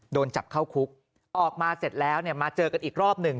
โดนจับเข้าคุกออกมาเสร็จแล้วเนี่ยมาเจอกันอีกรอบหนึ่ง